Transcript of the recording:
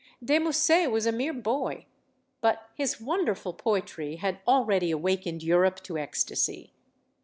De Musset was a mere boy. But his wonderful poetry had already awakened Europe to ecstacy.